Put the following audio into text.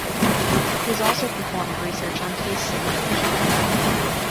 He has also performed research on taste simulation.